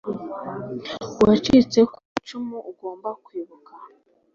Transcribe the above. uwacitse ku icumu, ugomba kwibuka.